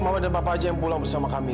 mama dan papa aja yang pulang bersama kami